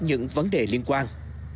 những vấn đề liên quan